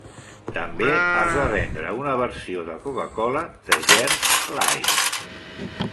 També es va vendre una versió de Coca-Cola de gerds light.